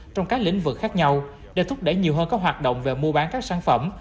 trong các lĩnh vực khác nhau để thúc đẩy nhiều hơn các hoạt động về mua bán các sản phẩm